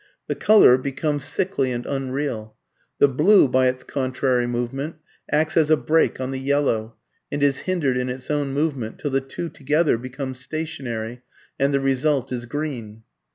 The colour becomes sickly and unreal. The blue by its contrary movement acts as a brake on the yellow, and is hindered in its own movement, till the two together become stationary, and the result is green.